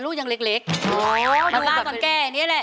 ลูกยังเล็กโหมาลาก่อนแก้อย่างนี้แหละ